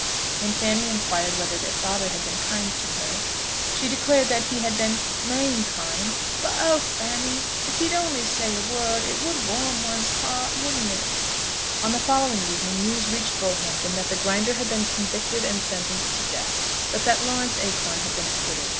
When Fanny inquired whether their father had been kind to her, she declared that he had been "main kind." "But, oh, Fanny! if he'd only say a word, it would warm one's heart; wouldn't it?" On the following evening news reached Bullhampton that the Grinder had been convicted and sentenced to death, but that Lawrence Acorn had been acquitted.